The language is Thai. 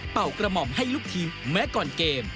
กระหม่อมให้ลูกทีมแม้ก่อนเกม